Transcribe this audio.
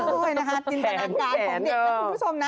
โอ้จินกำลังการของเด็กนะคุณผู้ชมนะ